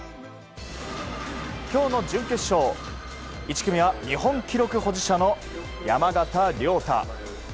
今日の準決勝１組は日本記録保持者の山縣亮太。